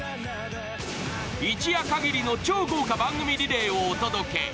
一夜限りの超豪華番組リレーをお届け。